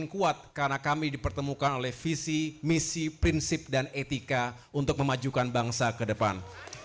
kami dipertemukan oleh visi misi prinsip dan etika untuk memajukan bangsa ke depan